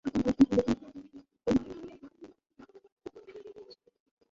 না, না, না, এসব আমি রাখতে পারবো না।